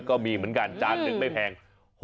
ก็มีเหมือนกันจานหนึ่งไม่แพง